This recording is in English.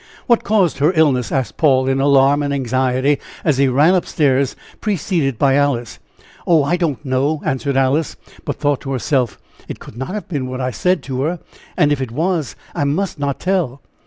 "What caused her illness?" asked Paul, in alarm and anxiety, as he ran up stairs, preceded by Alice. "Oh, I don't know!" answered Alice, but thought to herself: "It could not have been what I said to her, and if it was, I must not tell."